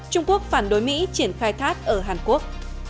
trung quốc phản đối mỹ triển khai thác ở hàn quốc